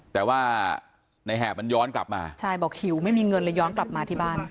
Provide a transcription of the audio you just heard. แต่ว่าในแหบมันย้อนกลับมาใช่บอกหิวไม่มีเงินเลยย้อนกลับมาที่บ้าน